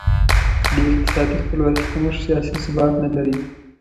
د اقتصادي خپلواکي کمښت سیاسي ثبات نه لري.